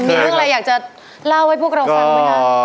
มีเรื่องอะไรอยากจะเล่าให้พวกเราฟังไหมคะ